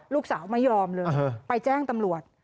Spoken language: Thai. ลูกสาวไม่ยอมเลยไปแจ้งตำรวจ